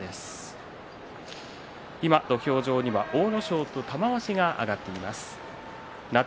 土俵には阿武咲と玉鷲が上がっています。